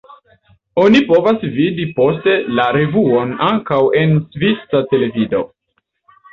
Oni povos vidi poste la revuon ankaŭ en svisa televido.